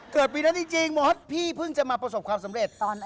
ปีนั้นจริงมอสพี่เพิ่งจะมาประสบความสำเร็จ